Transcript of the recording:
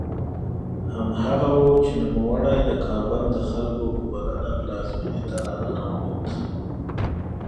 هماغه و چې نوموړی د کابل د خلکو په بلنه پلازمېنې ته راننوت.